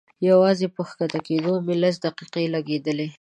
يوازې په کښته کېدو مې لس دقيقې لګېدلې.